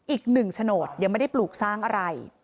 อีกหนึ่งโฉนดยังไม่ได้ปลูกสร้างอะไร